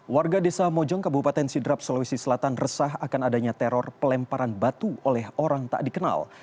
warga desa mojong kabupaten sidrap sulawesi selatan resah akan adanya teror pelemparan batu oleh orang tak dikenal